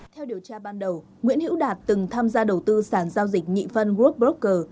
theo điều tra ban đầu nguyễn hiễu đạt từng tham gia đầu tư sản giao dịch nhị phân world broker